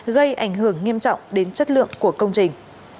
gây ảnh hưởng nghiêm trọng đến chất lượng của công trình